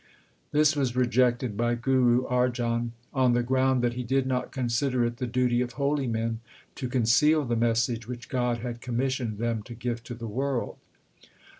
This was rejected by Guru Arjan on the ground that he did not consider it the duty of holy men to conceal the message which God had commissioned them to give to the world.